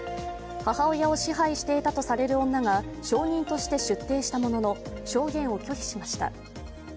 母親を支配していたとされる女が証人として出廷したものの証言を拒否しました。